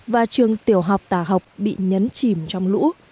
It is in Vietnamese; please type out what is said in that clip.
và trường tiểu học tà học bị nhấn chìm trong lũ